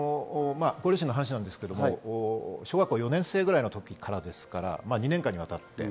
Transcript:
ご両親の話ですが小学校４年生ぐらいの時からですから２年間です。